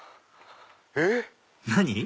えっ⁉何？